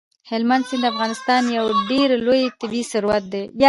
هلمند سیند د افغانستان یو ډېر لوی طبعي ثروت دی.